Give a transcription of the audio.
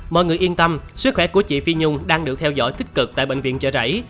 mọi người yên tâm sức khỏe của chị phi nhung đang được theo dõi tích cực tại bệnh viện chợ rẫy